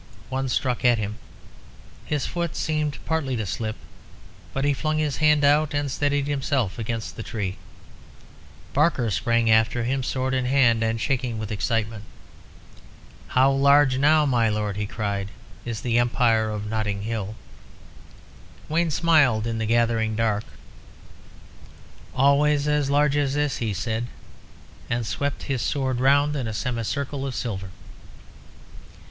One struck at him. His foot seemed partly to slip; but he flung his hand out, and steadied himself against the tree. Barker sprang after him, sword in hand, and shaking with excitement. "How large now, my lord," he cried, "is the Empire of Notting Hill?" Wayne smiled in the gathering dark. "Always as large as this," he said, and swept his sword round in a semicircle of silver.